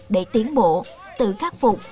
để tiến bộ tự khắc phục